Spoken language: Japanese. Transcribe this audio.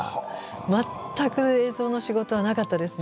全く映像の仕事はなかったですね。